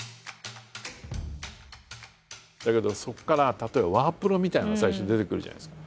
だけどそこから例えばワープロみたいなのが最初出てくるじゃないですか。